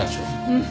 うん。